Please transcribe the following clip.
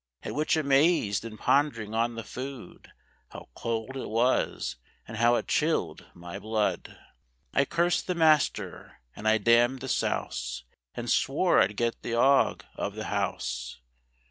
At which amazed, and pond'ring on the food, How cold it was, and how it chill'd my blood, I curst the master, and I damn'd the souce, And swore I'd got the ague of the house.